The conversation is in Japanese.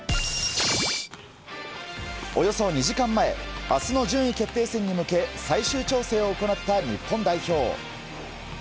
およそ２時間前明日の順位決定戦に向け最終調整を行った日本代表。